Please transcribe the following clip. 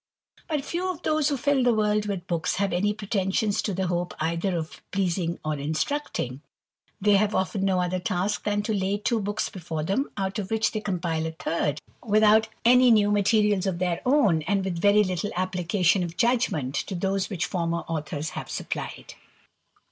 But few of those who fill the world with books, have any pretensions to the hope either of pleasing or instructing. They have often no other task than to lay two books before them, out of which they compile a third, without any new materials of their own, and with very little application of judgment to those which former authors have supplied.